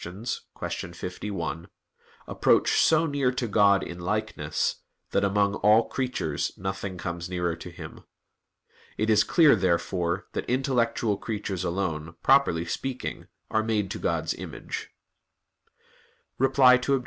51) "approach so near to God in likeness, that among all creatures nothing comes nearer to Him." It is clear, therefore, that intellectual creatures alone, properly speaking, are made to God's image. Reply Obj.